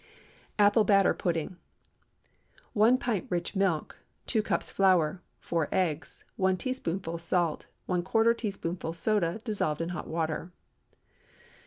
APPLE BATTER PUDDING. ✠ 1 pint rich milk. 2 cups flour. 4 eggs. 1 teaspoonful salt. ¼ teaspoonful soda, dissolved in hot water.